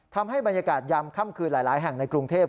ทำให้บรรยากาศยามค่ำคืนหลายแห่งในกรุงเทพ